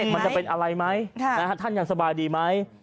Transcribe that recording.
มันจะเป็นอะไรไหมท่านยังสบายดีไหม